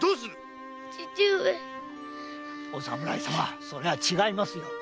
お侍様それは違います。